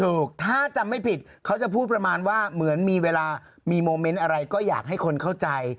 ถูกถ้าจำไม่ผิดเขาจะพูดประมาณว่าเหมือนมีเวลามีโมเมนต์อะไรก็อยากให้คนเข้าใจ